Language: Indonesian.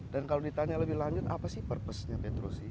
kalau ditanya lebih lanjut apa sih purpose nya petrosi